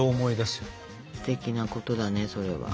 すてきなことだねそれは。